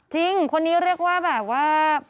จริงคนนี้เรียกว่าแบบว่า